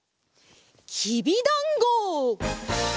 きびだんご！